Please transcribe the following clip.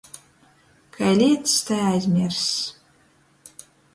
Kai liecs, tai aizmierss.